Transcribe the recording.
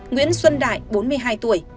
nguyễn xuân đại bốn mươi hai tuổi